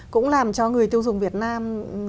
cũng làm cho người tiêu dùng việt nam